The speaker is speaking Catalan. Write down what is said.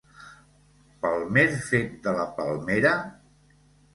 Pel mer fet de la palmera?